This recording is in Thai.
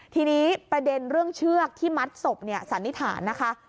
ทีนี้ประเด็นเรื่องเชือกที่มัดศพสันนิษฐานนะคะ